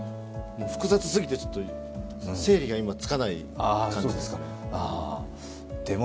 複雑すぎてちょっと整理が今つかない感じですね。